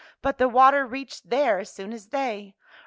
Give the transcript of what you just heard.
But the water reached there as soon as they.